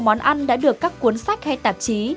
món ăn đã được các cuốn sách hay tạp chí